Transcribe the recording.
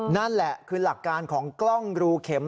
นั่นแหละคือหลักการของกล้องรูเข็ม